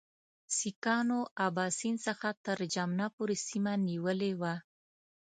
سیکهانو اباسین څخه تر جمنا پورې سیمه نیولې وه.